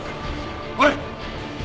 おい！